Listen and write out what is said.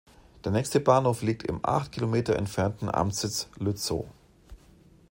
Der nächste Bahnhof liegt im acht Kilometer entfernten Amtssitz Lützow.